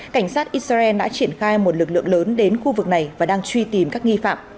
cảnh sát israel đã triển khai một lực lượng lớn đến khu vực này và đang truy tìm các nghi phạm